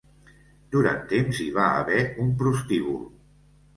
Durant temps hi va haver un prostíbul.